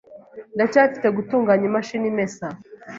Ndacyafite gutunganya imashini imesa .